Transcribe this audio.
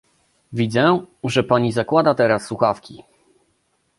Widzę, że pani zakłada teraz słuchawki